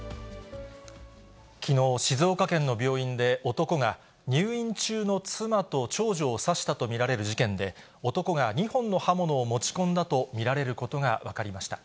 きのう、静岡県の病院で、男が入院中の妻と長女を刺したと見られる事件で、男が２本の刃物を持ち込んだと見られることが分かりました。